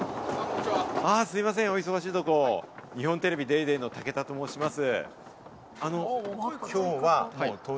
すみません、お忙しいところ、日本テレビ『ＤａｙＤａｙ．』の武田と申します。